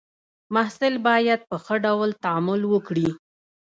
محصل باید په ښه ډول تعامل وکړي.